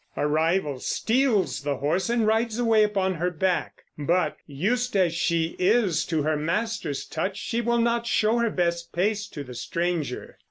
A rival steals the horse and rides away upon her back; but, used as she is to her master's touch, she will not show her best pace to the stranger.